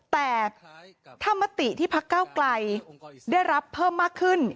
แต่ถ้ามติที่พักเก้าไกลได้รับเพิ่มมากขึ้น